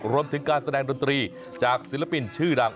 รวมถึงการแสดงดนตรีจากศิลปินชื่อดัง